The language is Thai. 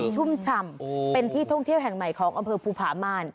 ชุ่มฉ่ำเป็นที่ท่องเที่ยวแห่งใหม่ของอำเภอภูผาม่าน